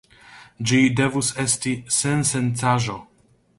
Ĝi devus esti sensencaĵo.